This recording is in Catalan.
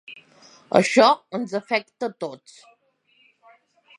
Això ens afecta a tots.